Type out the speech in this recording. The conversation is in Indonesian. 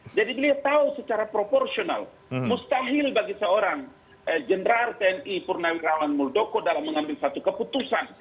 jadi beliau tahu secara proporsional mustahil bagi seorang jenderal tni purnawi rawan muldoko dalam mengambil satu keputusan